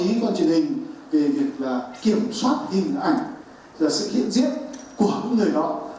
các con truyền hình về việc kiểm soát hình ảnh sự hiện diễn của những người đó